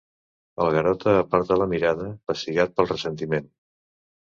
El Garota aparta la mirada, pessigat pel ressentiment.